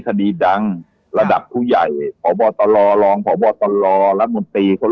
คดีดังระดับผู้ใหญ่ของบ่ตลรลองของบ่ตลรละมุนตีเขา